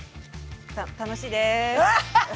た楽しいです。